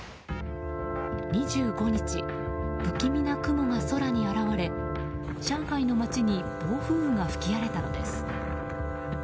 ２５日、不気味な雲が空に現れ上海の街に暴風雨が吹き荒れたのです。